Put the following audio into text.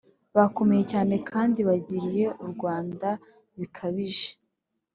bakomeye cyane kandi bagirije u rwanda bikabije) bayobowe